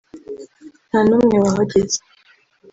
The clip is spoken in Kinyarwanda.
nta n’umwe wahageze